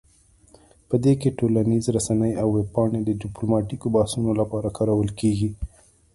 په دې کې ټولنیز رسنۍ او ویب پاڼې د ډیپلوماتیکو بحثونو لپاره کارول کیږي